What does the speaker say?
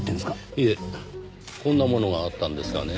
いえこんなものがあったんですがね。